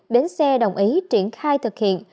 đến xe đồng ý triển khai thực hiện